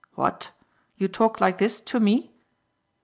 "What? You talk like this to me?"